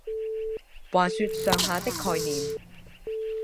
話說上下的概念